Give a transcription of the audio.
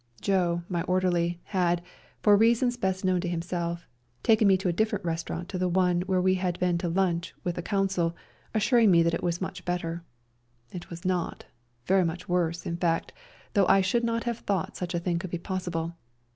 Joe, my orderly, had, for reasons best known to himself, taken me to a different restaurant to the one where we had been to lunch with the Consul, assur ing me that it was much better ; it was not, very much worse, in fact, though I should not have thought such a thing could be possible.